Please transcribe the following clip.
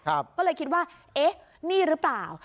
ก็เลยคิดว่าเอ๊ะนี่หรือเปล่า